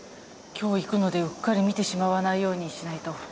今日行くのでうっかり見てしまわないようにしないと。